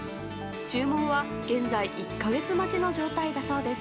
注文は現在１か月待ちの状態だそうです。